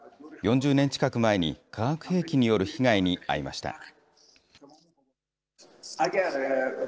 ４０年近く前に化学兵器による被害に遭いました。